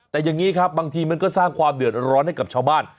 แต่อย่างนี้ครับบางทีมันก็สร้างความเดือดร้อนให้กับชาวบ้าน